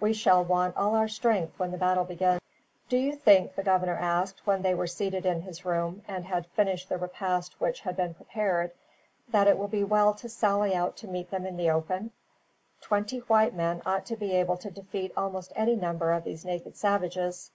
We shall want all our strength when the battle begins." "Do you think," the governor asked, when they were seated in his room, and had finished the repast which had been prepared, "that it will be well to sally out to meet them in the open? Thirty white men ought to be able to defeat almost any number of these naked savages."